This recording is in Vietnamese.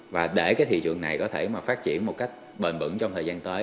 và để cái thị trường này có thể mà phát triển một cách bền bẩn trong thời gian tới